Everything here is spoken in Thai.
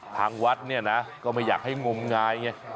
ทางวัดเนี่ยนะก็ไม่อยากให้งมงายไง